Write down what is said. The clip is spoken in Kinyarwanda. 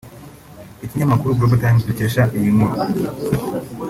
Ikinyamakuru Global times dukesha iyi nkuru